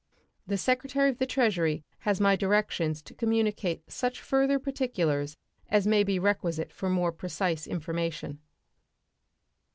The Secretary of the Treasury has my directions to communicate such further particulars as may be requisite for more precise information.